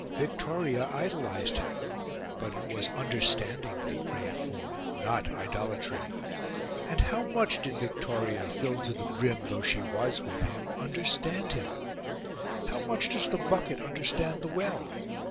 Victoria idolised him; but it was understanding that he craved for, not idolatry; and how much did Victoria, filled to the brim though she was with him, understand him? How much does the bucket understand the well?